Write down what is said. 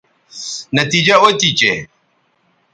نتیجہ او تھی چہء